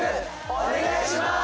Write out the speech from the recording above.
お願いします。